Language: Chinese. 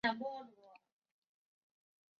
李绚人。